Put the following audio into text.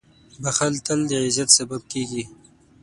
• بښل تل د عزت سبب کېږي.